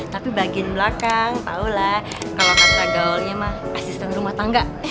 tapi bagian belakang tahu lah kalau kata gaulnya mah asisten rumah tangga